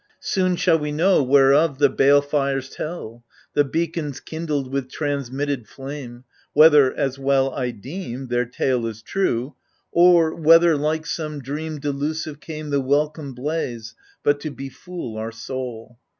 Soon shall we know whereof the bale fires tell, The beacons, kindled with transmitted flame ; Whether, as well I deem, their tale is true. Or whether like some dream delusive came The welcome blaze but to befool our soul.